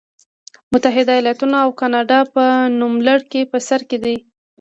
متحده ایالتونه او کاناډا په نوملړ کې په سر کې دي.